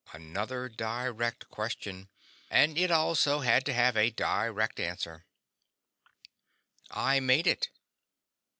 Another direct question, and it also had to have a direct answer. "I made it."